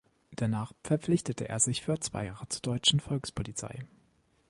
Danach verpflichtete er sich für zwei Jahre zur Deutschen Volkspolizei.